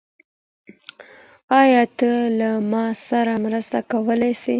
ايا ته له ما سره مرسته کولای سې؟